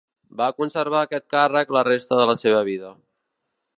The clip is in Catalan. Va conservar aquest càrrec la resta de la seva vida.